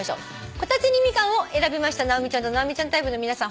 「こたつにミカン」を選びました直美ちゃんと直美ちゃんタイプの皆さん